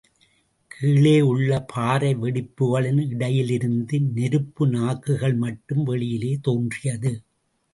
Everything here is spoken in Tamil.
கீழே உள்ள பாறை வெடிப்புகளின் இடையிலிருந்து நெருப்பு நாக்குகள் மட்டும் வெளியிலே தோன்றியது.